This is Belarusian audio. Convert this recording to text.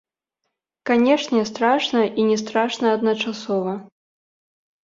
Канешне, страшна, і не страшна адначасова.